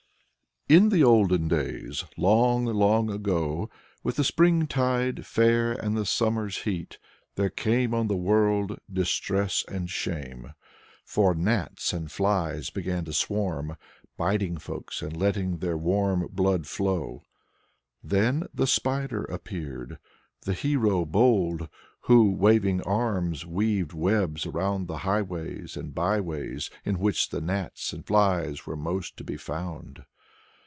In the olden years, long long ago, with the spring tide fair and the summer's heat there came on the world distress and shame. For gnats and flies began to swarm, biting folks and letting their warm blood flow. Then the Spider appeared, the hero bold, who, with waving arms, weaved webs around the highways and byways in which the gnats and flies were most to be found.